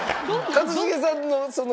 一茂さんのその。